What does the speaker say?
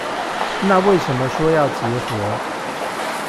那為什麼說要結合